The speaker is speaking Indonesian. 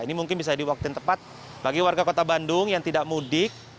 ini mungkin bisa diwaktin tepat bagi warga kota bandung yang tidak mudik